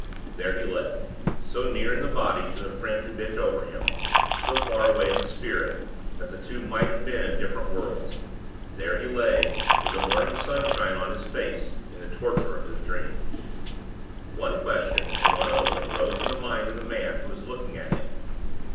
There he lay so near in the body to the friend who bent over him; so far away in the spirit, that the two might have been in different worlds there he lay, with the morning sunshine on his face, in the torture of his dream. One question, and one only, rose in the mind of the man who was looking at him.